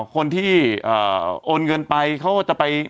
คนที่โอนเงินไปเขาจะไป